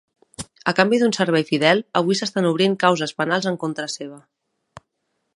A canvi d'un servei fidel, avui s'estan obrint causes penals en contra seva.